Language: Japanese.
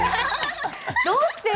どうして？